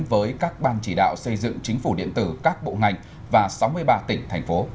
với các ban chỉ đạo xây dựng chính phủ điện tử các bộ ngành và sáu mươi ba tỉnh thành phố